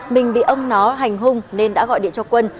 mình bị ông nó hành hung nên đã gọi điện cho quân